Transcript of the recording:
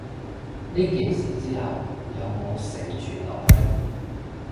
呢件事之後有無承傳落去？